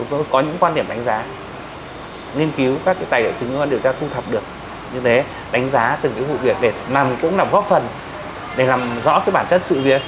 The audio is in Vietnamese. tôi có những quan điểm đánh giá nghiên cứu các cái tài liệu chứng quan điều tra thu thập được như thế đánh giá từng cái vụ việc để làm cũng là góp phần để làm rõ bản chất sự việc